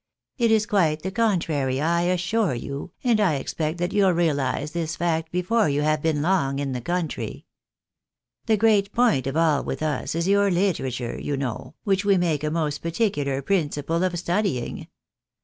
It is quite the contrary, I assure you, and I expect that you'll realise this fact before you have been long in the country. The great point of all with us is your literature, you know, which we make a most particular principle of studying.